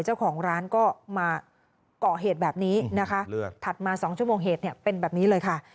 เจ้าของร้านก็มาเกาะเหตุแบบนี้นะคะถัดมา๒ชั่วโมงเหตุเป็นแบบนี้เลยค่ะ